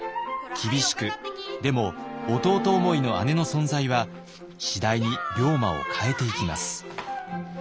厳しくでも弟思いの姉の存在は次第に龍馬を変えていきます。